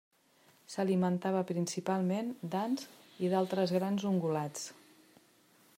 S'alimentava principalment d'ants i d'altres grans ungulats.